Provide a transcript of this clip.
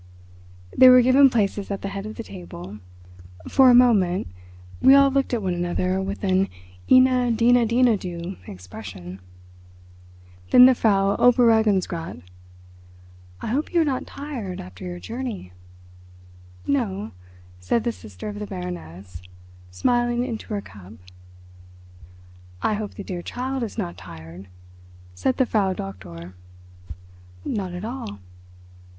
They were given places at the head of the table. For a moment we all looked at one another with an eena deena dina do expression. Then the Frau Oberregierungsrat: "I hope you are not tired after your journey." "No," said the sister of the Baroness, smiling into her cup. "I hope the dear child is not tired," said the Frau Doktor. "Not at all."